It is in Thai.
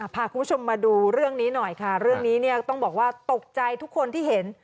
พาคุณผู้ชมมาดูเรื่องนี้หน่อยค่ะเรื่องนี้เนี่ยต้องบอกว่าตกใจทุกคนที่เห็น